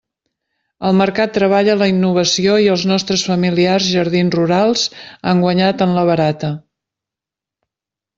El mercat treballa la innovació i els nostres familiars jardins rurals han guanyat en la barata.